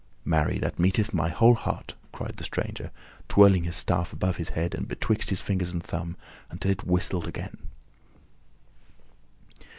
"Marry, that meeteth my whole heart!" cried the stranger, twirling his staff above his head, betwixt his fingers and thumb, until it whistled again.